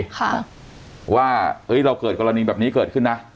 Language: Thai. ค่ะว่าเอ้ยเราเกิดกรณีแบบนี้เกิดขึ้นนะ